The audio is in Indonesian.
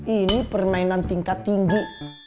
ini permainan tingkat tinggi